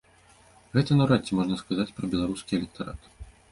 Гэта наўрад ці можна сказаць пра беларускі электарат.